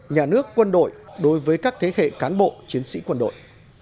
nhà nước quân đội đối với các thế hệ cán bộ chiến sĩ quân đội